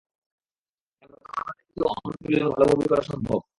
কারণ, হয়তোবা তাঁদের দিয়েও অনন্ত জলিলের মতো ভালো মুভি করা সম্ভব।